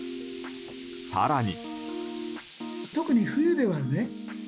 更に。